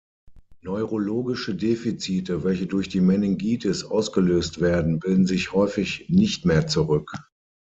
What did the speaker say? Neurologische Defizite, welche durch die Meningitis ausgelöst werden, bilden sich häufig nicht mehr zurück.